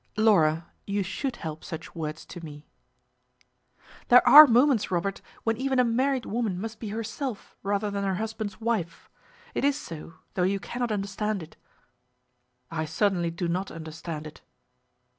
"Laura, you should help such words to me." "There are moments, Robert, when even a married woman must be herself rather than her husband's wife. It is so, though you cannot understand it." "I certainly do not understand it."